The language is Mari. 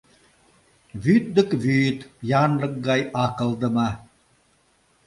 Вӱд дык вӱд, янлык гай акылдыме.